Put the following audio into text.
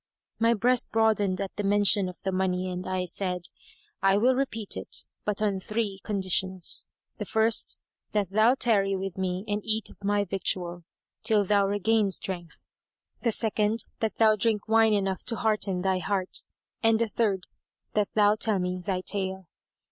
My breast broadened at the mention of the money and I said, "I will repeat it, but on three conditions: the first, that thou tarry with me and eat of my victual, till thou regain strength; the second, that thou drink wine enough to hearten thy heart, and the third, that thou tell me thy tale."